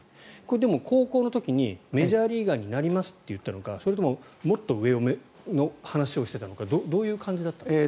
でも、高校の時にメジャーリーガーになりますと言ったのかそれとももっと上の話をしていたのかどういう感じだったんですか？